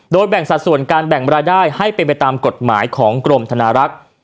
แบ่งสัดส่วนการแบ่งรายได้ให้เป็นไปตามกฎหมายของกรมธนารักษ์